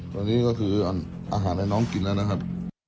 ตอนนี้ก็คืออาหารให้น้องกินแล้วนะครับ